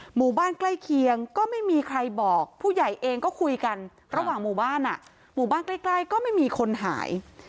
หมู่บ้านใกล้เคียงก็ไม่มีใครบอกผู้ใหญ่เองก็คุยกันระหว่างหมู่บ้านหมู่บ้านใกล้ก็ไม่มีคนหาย